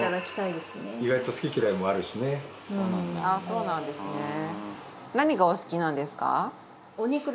あっそうなんですね。